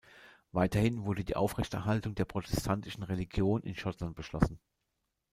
Weiterhin wurde die Aufrechterhaltung der protestantischen Religion in Schottland beschlossen.